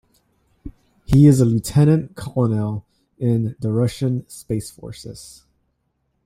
He is a lieutenant colonel in the Russian Space Forces.